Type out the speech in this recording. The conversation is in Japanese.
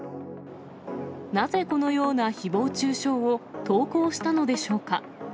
なぜこのようなひぼう中傷を投稿したのでしょうか。